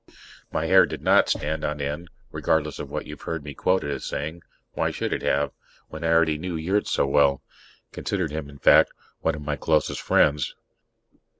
My hair did not stand on end, regardless of what you've heard me quoted as saying. Why should it have, when I already knew Yurt so well considered him, in fact, one of my closest friends?